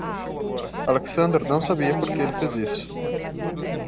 Alexander não sabia por que ele fez isso.